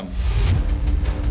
komisi kepolisian nasional